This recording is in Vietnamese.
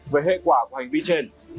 về hệ quả của hành vi trên